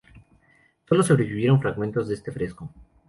Sólo sobrevivieron fragmentos de este fresco.